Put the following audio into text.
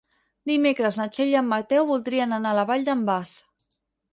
Dimecres na Txell i en Mateu voldrien anar a la Vall d'en Bas.